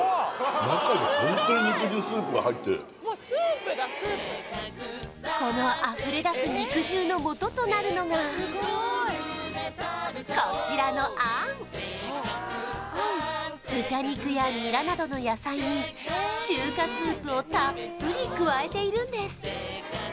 中にホントに肉汁スープが入ってるこのあふれだす肉汁のもととなるのがこちらのあん豚肉やニラなどの野菜に中華スープをたっぷり加えているんです